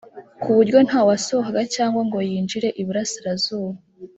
ku buryo nta wasohokaga cyangwa ngo yinjire iburasirazuba